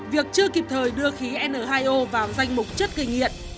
việc chưa kịp thời đưa khí n hai o vào danh mục chất kinh tế